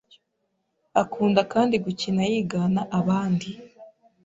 akunda kandi gukina yigana abandi.